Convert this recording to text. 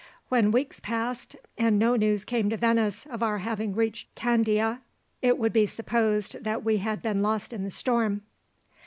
When weeks passed, and no news came to Venice of our having reached Candia, it would be supposed that we had been lost in the storm.